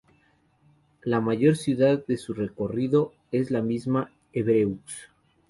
La mayor ciudad de su recorrido es la misma Évreux.